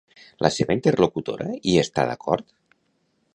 La seva interlocutora hi està d'acord?